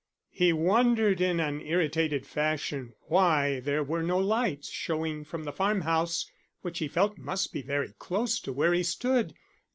He wondered in an irritated fashion why there were no lights showing from the farm house, which he felt must be very close to where he stood.